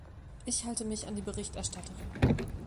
Ich halte mich an die Berichterstatterin.